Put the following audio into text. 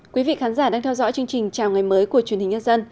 quý vị khán giả đang theo dõi chương trình chào ngày mới của truyền hình nhân dân